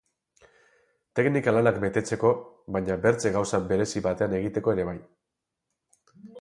Teknika lanak betetzeko, baina bertze gauza berezi baten egiteko ere bai.